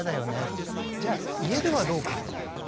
じゃあ家ではどうか。